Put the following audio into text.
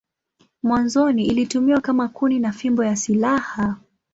Mwanzoni ilitumiwa kama kuni na fimbo ya silaha.